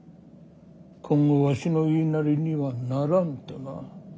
今後わしの言いなりにはならぬとな。